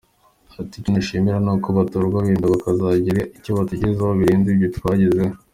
Ati “Icyo nakwishimira ni uko batorwa wenda bakazagira ibyo batugezaho, birenze ibyo twagezeho.